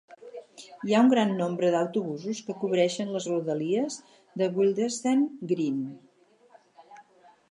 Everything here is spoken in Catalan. Hi ha un gran nombre d'autobusos que cobreixen les rodalies de Willesden Green.